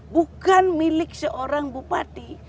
bukan milik seorang bupati